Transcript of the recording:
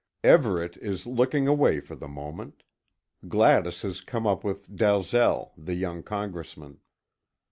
Everet is looking away for the moment. Gladys has come up with Dalzel, the young congressman.